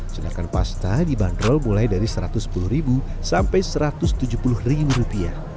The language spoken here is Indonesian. sedangkan pasta dibanderol mulai dari rp satu ratus sepuluh sampai rp satu ratus tujuh puluh